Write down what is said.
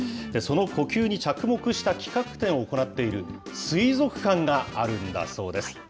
その呼吸に着目した企画展を行っている、水族館があるんだそうです。